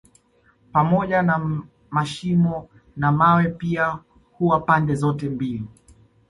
Pamoja na mashimo na mawe pia huwa pande zote mbili